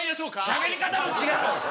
しゃべり方もちがう！